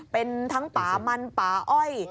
เป็นทั้งป่ามันป่าอ้อย